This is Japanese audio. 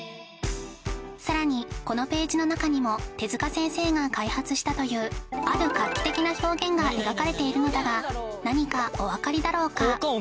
さらにこのページの中にも手塚先生が開発したというある画期的な表現が描かれているのだが何かお分かりだろうか？